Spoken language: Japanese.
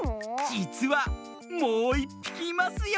じつはもういっぴきいますよ。